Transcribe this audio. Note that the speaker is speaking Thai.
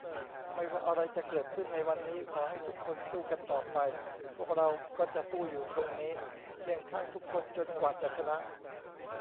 ไม่ว่าอะไรจะเกิดขึ้นในวันนี้ ขอให้ทุกคนสู้กันต่อไป พวกเราก็จะสู้อยู่ตรงนี้ เคียงข้างทุกคนจนกว่าจะชนะ